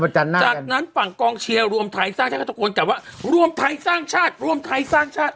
จากนั้นจากนั้นฝั่งกองเชียร์รวมไทยสร้างชาติก็ตะโกนกลับว่ารวมไทยสร้างชาติรวมไทยสร้างชาติ